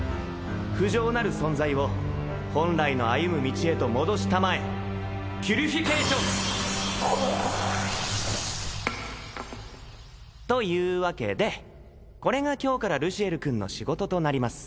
不浄なる存在を本来の歩む道へと戻し給えピュリフィケイション！というわけでこれが今日からルシエル君の仕事となります